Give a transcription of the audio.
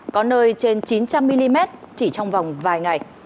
có nơi trên chín trăm linh mm chỉ trong vòng vài ngày